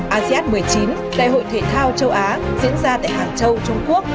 asean một mươi chín đại hội thể thao châu á diễn ra tại hàng châu trung quốc